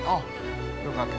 ◆よかった。